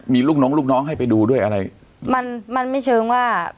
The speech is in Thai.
มีลูกน้องลูกน้องให้ไปดูด้วยอะไรมันมันไม่เชิงว่า